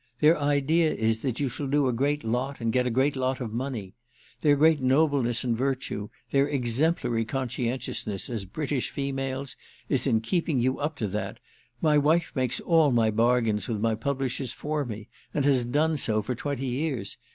Their idea is that you shall do a great lot and get a great lot of money. Their great nobleness and virtue, their exemplary conscientiousness as British females, is in keeping you up to that. My wife makes all my bargains with my publishers for me, and has done so for twenty years.